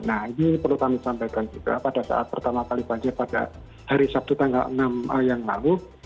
nah ini perlu kami sampaikan juga pada saat pertama kali banjir pada hari sabtu tanggal enam yang lalu